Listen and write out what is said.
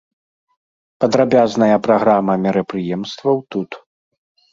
Падрабязная праграма мерапрыемстваў тут.